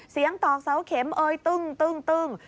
เสียงตอกซ้าวเข็มตึ้ง